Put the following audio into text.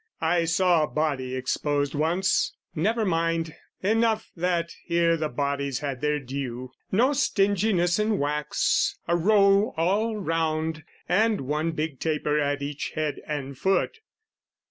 I saw a body exposed once...never mind! Enough that here the bodies had their due. No stinginess in wax, a row all round, And one big taper at each head and foot.